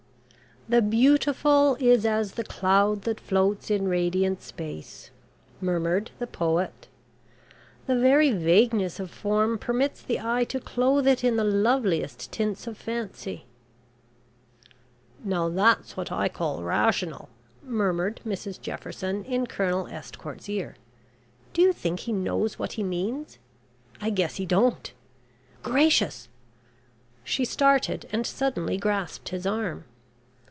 "The beautiful is as the cloud that floats in radiant space," murmured the poet. "The very vagueness of form permits the eye to clothe it in the loveliest tints of Fancy." "Now that's what I call rational," murmured Mrs Jefferson in Colonel Estcourt's ear. "Do you think he knows what he means. I guess he don't... Gracious!" She started, and suddenly grasped his arm.